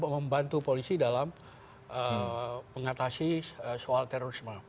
membantu polisi dalam mengatasi soal terorisme